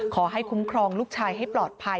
ขอให้คุ้มครองลูกชายให้ปลอดภัย